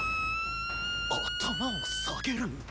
⁉頭を下げる⁉